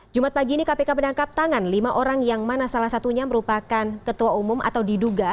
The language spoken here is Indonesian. jumat pagi ini kpk menangkap tangan lima orang yang mana salah satunya merupakan ketua umum atau diduga